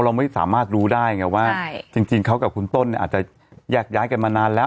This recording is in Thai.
เราไม่สามารถรู้ได้ไงว่าจริงเขากับคุณต้นเนี่ยอาจจะแยกย้ายกันมานานแล้ว